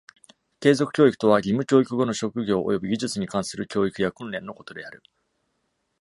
継続教育とは、義務教育後の職業および技術に関する教育や訓練のことである。